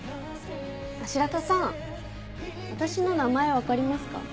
白田さん私の名前分かりますか？